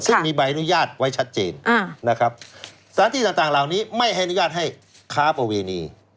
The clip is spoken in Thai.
ซึ่งมีใบอนุญาตไว้ชัดเจนนะครับสถานที่ต่างเหล่านี้ไม่ให้อนุญาตให้ค้าประเวณี